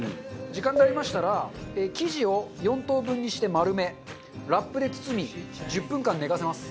時間になりましたら生地を４等分にして丸めラップで包み１０分間寝かせます。